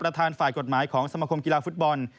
ประธานฝ่ายกฎหมายของสมคมกีฬาฟุตบอล